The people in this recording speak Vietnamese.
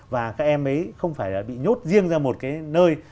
và các em ấy không phải là bị nhốt riêng ra một cái nơi